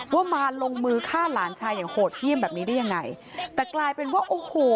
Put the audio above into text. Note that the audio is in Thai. ว่ามาลงมือฆ่าหลานชายอย่างโหดเยี่ยมแบบนี้ได้ยังไงแต่กลายเป็นว่าโอ้โห